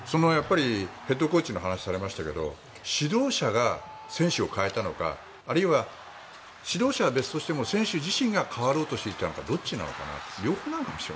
ヘッドコーチの話をされましたが指導者が選手を変えたのかあるいは指導者は別としても選手自身が変わろうとしていたのかどっちなのかなと。